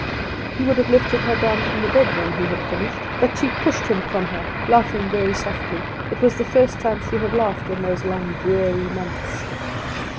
He would have lifted her down from the bed when he had finished, but she pushed him from her, laughing very softly. It was the first time she had laughed in those long, dreary months.